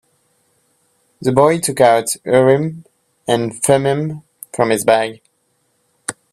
The boy took out Urim and Thummim from his bag.